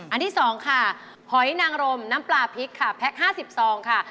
อันที่๒ค่ะหอยนางรมน้ำปลาพริกค่ะแพ็ค๕๐ซองค่ะ